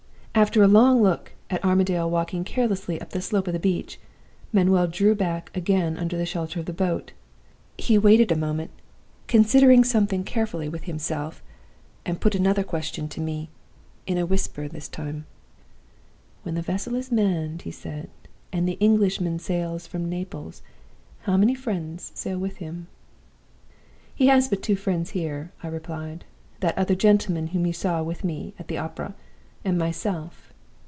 "After a long look at Armadale walking carelessly up the slope of the beach, Manuel drew back again under the shelter of the boat. He waited a moment, considering something carefully with himself, and put another question to me, in a whisper this time. "'When the vessel is manned,' he said, 'and the Englishman sails from Naples, how many friends sail with him?' "'He has but two friends here,' I replied; 'that other gentleman whom you saw with me at the opera, and myself.